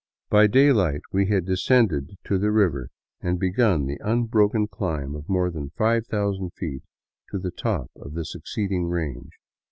By daylight we had descended to the river and begun the unbroken climb of more than 5000 feet to the top of the succeeding range.